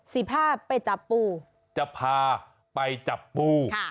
สิภาไปจับปูจะพาไปจับปู